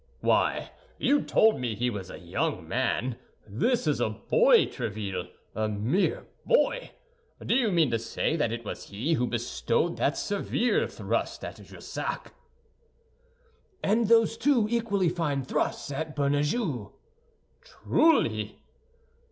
"Why, you told me he was a young man? This is a boy, Tréville, a mere boy! Do you mean to say that it was he who bestowed that severe thrust at Jussac?" "And those two equally fine thrusts at Bernajoux." "Truly!"